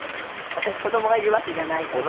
私子供がいるわけじゃないから。